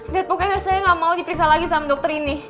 dead pokoknya saya nggak mau diperiksa lagi sama dokter ini